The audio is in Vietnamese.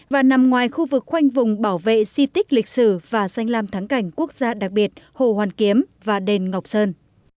và nằm ngoài khu vực khoanh vùng bảo vệ di tích lịch sử và danh lam thắng cảnh quốc gia đặc biệt hồ hoàn kiếm và đền ngọc sơn